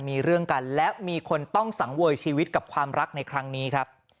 มีเรื่องกันและมีคนต้องสังเวยชีวิตกับความรักในครั้งนี้ครับ